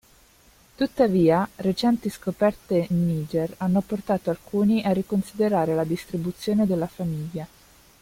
Tuttavia, recenti scoperte in Niger hanno portato alcuni a riconsiderare la distribuzione della famiglia.